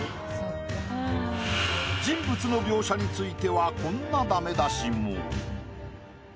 人物の描写についてはこんなダメ出しも。